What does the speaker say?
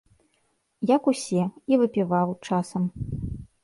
Як усе, і выпіваў часам.